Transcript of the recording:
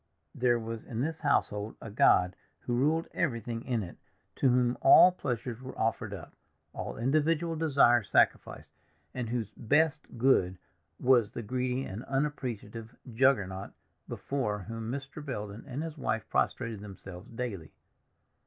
There was in this household a god who ruled everything in it, to whom all pleasures were offered up, all individual desires sacrificed, and whose Best Good was the greedy and unappreciative Juggernaut before whom Mr. Belden and his wife prostrated themselves daily.